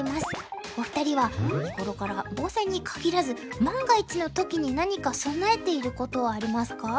お二人は日ごろから防災にかぎらず万が一の時に何か備えていることはありますか？